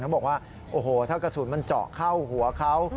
เขาบอกว่าโอ้โหถ้ากระสุนมันเจาะเข้าหัวเขา